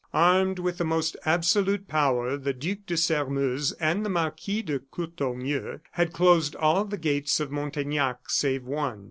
Armed with the most absolute power, the Duc de Sairmeuse and the Marquis de Courtornieu had closed all the gates of Montaignac save one.